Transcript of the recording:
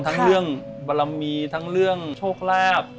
ทั้งเรื่องบารมีทั้งเรื่องโชคลาภ